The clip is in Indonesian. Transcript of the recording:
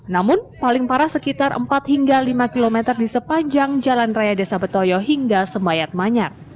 namun paling parah sekitar empat hingga lima km di sepanjang jalan raya desa betoyo hingga semayat manyar